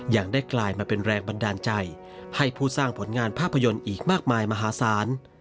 ยังได้กลายมาเป็นแรงบันดาลใจให้ผู้สร้างผลงานภาพยนตร์อีกมากมายมหาศาล